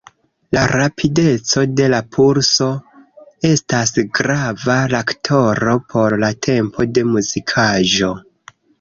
La rapideco de la pulso estas grava faktoro por la tempo de muzikaĵo.